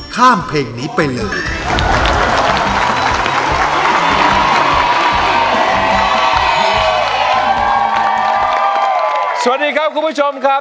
สวัสดีครับคุณผู้ชมครับ